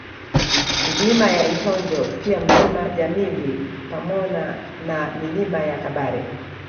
Milima ya Itonjo pia Mlima Jamimbi pamona na Milima ya Kabare